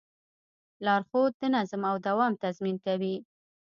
لارښود د نظم او دوام تضمین کوي.